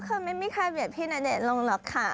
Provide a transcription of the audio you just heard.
คือไม่มีใครเบียดพี่ณเดชน์ลงหรอกค่ะ